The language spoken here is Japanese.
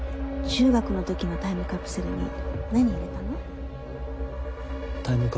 中学の時のタイムカプセルに何入れたの？